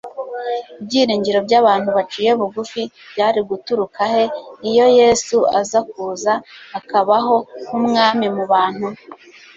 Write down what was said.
Ibyiringiro by'abantu baciye bugufi byari guturuka he iyo Yesu aza kuza akabaho nk'Umwami mu bantu?